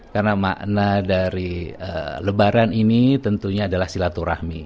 karena makna dari lebaran ini tentunya adalah silaturahmi